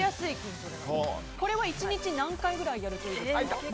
これを１日何回ぐらいやるといいですか？